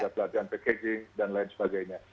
pelatihan packaging dan lain sebagainya